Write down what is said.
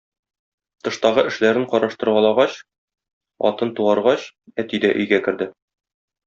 Тыштагы эшләрен караштыргалагач, атын туаргач, әти дә өйгә керде.